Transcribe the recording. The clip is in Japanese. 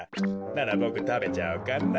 ならボクたべちゃおうかな。